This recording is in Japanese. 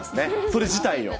それ自体を。